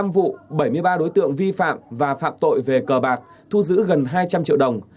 một mươi năm vụ bảy mươi ba đối tượng vi phạm và phạm tội về cờ bạc thu giữ gần hai trăm linh triệu đồng